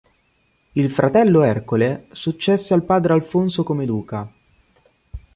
Il fratello Ercole successe al padre Alfonso come duca.